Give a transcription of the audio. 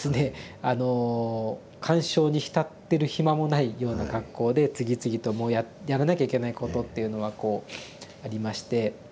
あの感傷に浸ってる暇もないような格好で次々とやらなきゃいけないことっていうのはありまして。